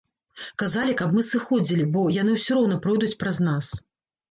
Казалі, каб мы сыходзілі, бо яны усё роўна пройдуць праз нас.